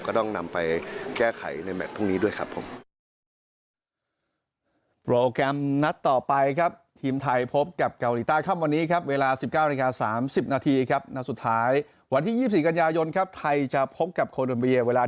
ก็ต้องนำไปแก้ไขในแมทพรุ่งนี้ด้วยครับผม